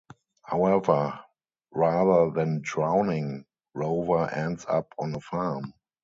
However, rather than drowning, Rover ends up on a farm.